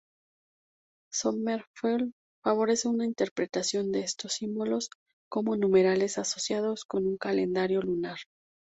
Sommerfeld favorece una interpretación de estos símbolos como numerales asociados con un calendario lunar.